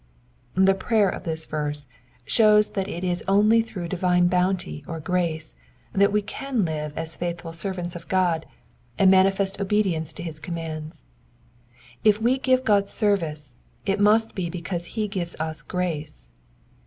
The prayer of this verse shows that it is only through divine bounty or grace that we can live as faithful servants of Gk>d, and manifest obedience to bis commands. If we give God service it must be because he gives us grace.